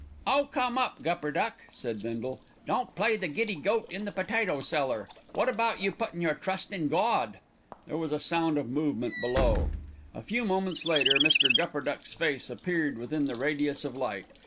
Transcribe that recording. "Oh, come up, Gupperduck," said Bindle. "Don't play the giddy goat in the potato cellar. Wot about you puttin' your trust in Gawd?" There was a sound of movement below. A few moments later Mr. Gupperduck's face appeared within the radius of light.